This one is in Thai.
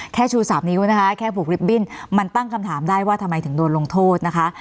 ชู๓นิ้วนะคะแค่ผูกลิฟตบิ้นมันตั้งคำถามได้ว่าทำไมถึงโดนลงโทษนะคะ